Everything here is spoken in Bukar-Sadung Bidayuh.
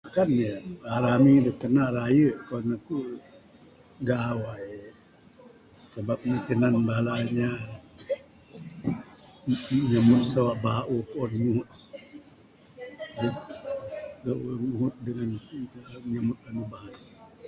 Rami da kana raye kuan aku gawai sabab da tinan bala inya nyamut sawa bauh kuon nguhut. Kuon nguhut dangan nyambut anu bahas.